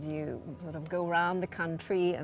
kami juga menggunakan data